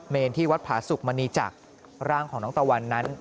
ที่วัดผาสุกมณีจักรร่างของน้องตะวันนั้น